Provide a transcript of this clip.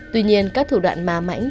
tuy nhiên các thủ đoạn má mãnh